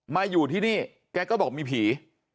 มาอยู่ที่นี่แกก็บอกมีผี